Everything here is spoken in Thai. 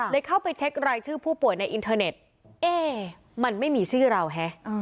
เข้าไปเช็ครายชื่อผู้ป่วยในอินเทอร์เน็ตเอ๊มันไม่มีชื่อเราฮะ